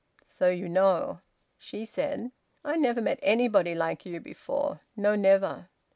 So you know!" She said "I never met anybody like you before. No, never!"